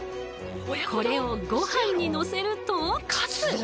これをごはんにのせると。